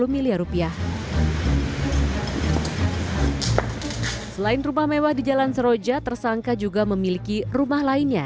miliar rupiah selain rumah mewah di jalan seroja tersangka juga memiliki rumah lainnya